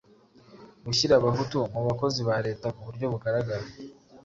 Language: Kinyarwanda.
Gushyira Abahutu mu bakozi ba Leta ku buryo bugaragara: